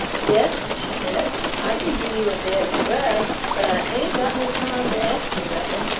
"Yes," she said, "I can give you a bed and grub, but I ain't got no time to ask you nothing.